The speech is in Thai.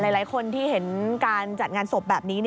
หลายคนที่เห็นการจัดงานศพแบบนี้